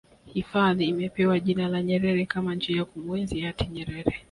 hifadhi imepewa jina la nyerere Kama njia ya kumuenzi hayati nyerere